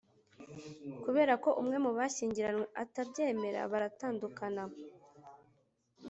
Kubera ko umwe mu bashyingiranywe atabyemera baratandukana